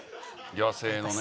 野生のね。